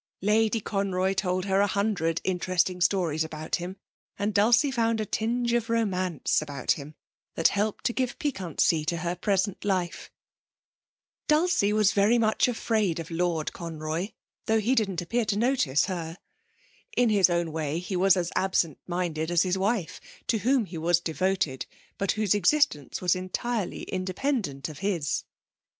Lady Conroy told her a hundred interesting stories about him and Dulcie found a tinge of romance about him that helped to give piquancy to her present life. Dulcie was very much afraid of Lord Conroy, though he didn't appear to notice her. In his own way he was as absent minded as his wife, to whom he was devoted, but whose existence was entirely independent of his.